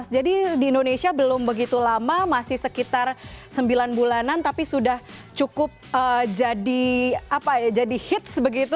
jadi di indonesia belum begitu lama masih sekitar sembilan bulanan tapi sudah cukup jadi hits begitu